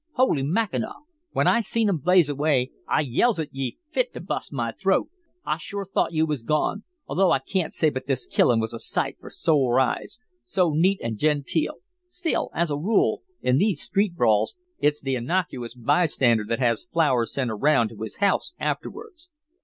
Holy Mackinaw! When I see 'em blaze away I yells at ye fit to bust my throat. I shore thought you was gone. Although I can't say but this killin' was a sight for sore eyes so neat an' genteel still, as a rule, in these street brawls it's the innocuous bystander that has flowers sent around to his house afterwards."